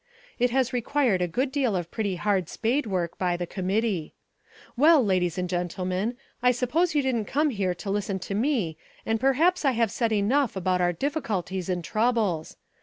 It has required a good deal of pretty hard spade work by the committee. Well, ladies and gentlemen, I suppose you didn't come here to listen to me and perhaps I have said enough about our difficulties and troubles.